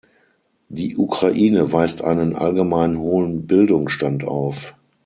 Die Ukraine weist einen allgemein hohen Bildungsstand auf.